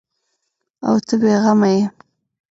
او ته بې غمه یې ؟